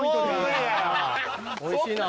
おいしいな。